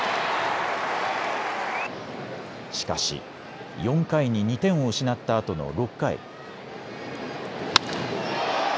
しかし４回に２点を失ったあとの６回。